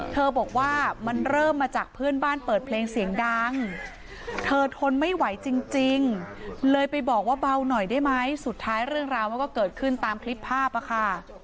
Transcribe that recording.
เธอบอกว่ามันเริ่มมาจากเพื่อนบ้านเปิดเพลงเสียงดังเธอทนไม่ไหวจริงเลยไปบอกว่าเบาหน่อยได้ไหมสุดท้ายเรื่องราวมันก็เกิดขึ้นตามคลิปภาพอะค่ะ